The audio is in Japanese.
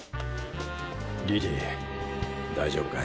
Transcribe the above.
リリー大丈夫かい？